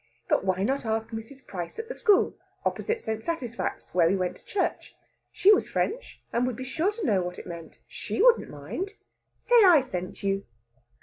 But why not ask Mrs. Prince at the school, opposite St. Satisfax, where we went to church; she was French, and would be sure to know what it meant. She wouldn't mind! "Say I sent you."